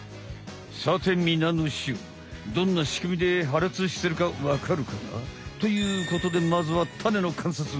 さてみなのしゅうどんなしくみではれつしてるかわかるかな？ということでまずはタネのかんさつ！